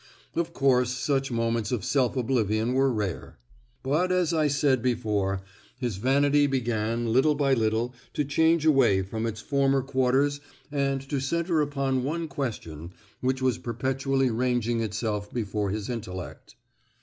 Of course such moments of self oblivion were rare; but, as I said before, his vanity began little by little to change away from its former quarters and to centre upon one question which was perpetually ranging itself before his intellect.